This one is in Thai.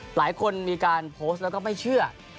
หลายคนมีการโพสต์แล้วก็ไม่เชื่อ